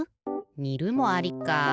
にるもありか。